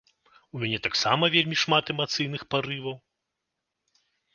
У мяне таксама вельмі шмат эмацыйных парываў.